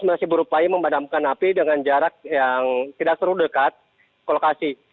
masih berupaya memadamkan api dengan jarak yang tidak terlalu dekat ke lokasi